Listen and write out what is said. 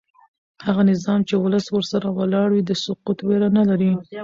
هغه نظام چې ولس ورسره ولاړ وي د سقوط ویره نه لري